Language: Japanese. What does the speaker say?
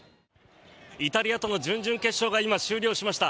イタリアとの準々決勝が今、終了しました。